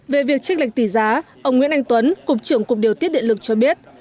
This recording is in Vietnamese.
về việc trích lệch tỷ giá ông nguyễn anh tuấn cục trưởng cục điều tiết điện lực cho biết